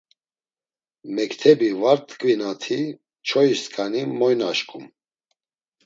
Mektebi var t̆ǩvinati çoyisǩani moy naşǩum?